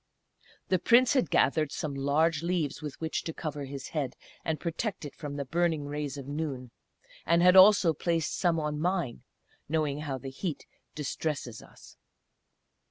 The Prince had gathered some large leaves with which to cover his head, and protect it from the burning rays of noon, and had also placed some on mine, knowing how the heat distresses us.